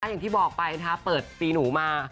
อย่างที่บอกไปนะคะเปิดปีหนูมา